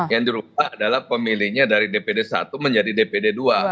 yang dirubah adalah pemilihnya dari dpd satu menjadi dpd dua